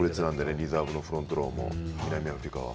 リザーブのフロントローも南アフリカは。